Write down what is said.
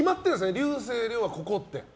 竜星涼はここって。